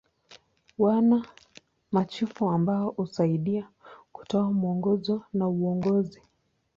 Wana machifu ambao husaidia kutoa mwongozo na uongozi.